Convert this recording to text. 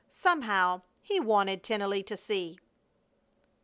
Somehow, he wanted Tennelly to see!